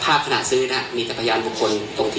เพราะจากฝ่ายต่างก็ยาวอ้างพยานบุคคล